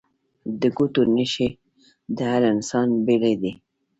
د ګوتو نښې د هر انسان بیلې دي